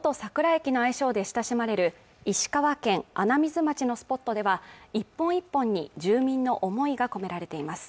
駅の愛称で親しまれる石川県穴水町のスポットでは１本１本に住民の思いが込められています